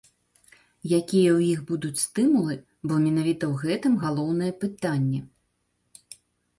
Якія ў іх будуць стымулы, бо менавіта ў гэтым галоўнае пытанне.